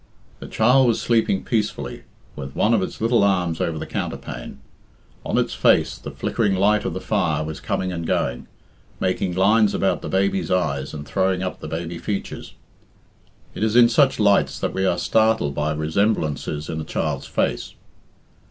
The child was sleeping peacefully, with one of its little arms over the counterpane. On its face the flickering light of the fire was coming and going, making lines about the baby eyes and throwing up the baby features. It is in such lights that we are startled by resemblances in a child's face.